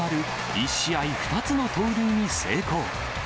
１試合２つの盗塁に成功。